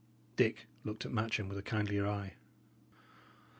Dick looked at Matcham with a kindlier eye.